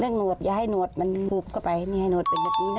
หนวดอย่าให้หนวดมันบุบเข้าไปไม่ให้หนวดเป็นแบบนี้นะ